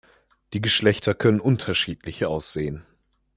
Die Geschlechter können unterschiedlich aussehen.